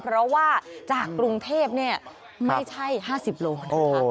เพราะว่าจากกรุงเทพไม่ใช่๕๐โลนะคะ